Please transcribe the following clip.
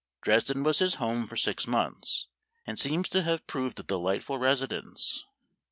Dresden was his home for six months, and seems to have proved a delightful residence.